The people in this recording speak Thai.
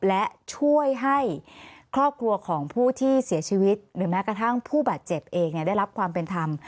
และช่วยให้ครอบครัวของผู้ที่เสียชีวิตหรือแม้กระทั่งผู้บาดเจ็บเองได้รับความเป็นธรรม